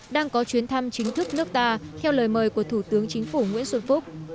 đang có chuyến thăm chính thức nước ta theo lời mời của thủ tướng chính phủ nguyễn xuân phúc